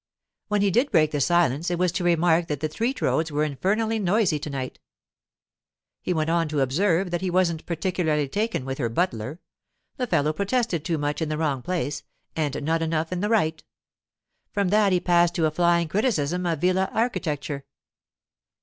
When he did break the silence it was to remark that the tree toads were infernally noisy to night. He went on to observe that he wasn't particularly taken with her butler; the fellow protested too much in the wrong place, and not enough in the right. From that he passed to a flying criticism of villa architecture.